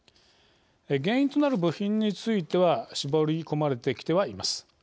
原因となる部品については絞り込まれてきてはいます。